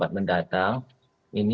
ya silakan yuk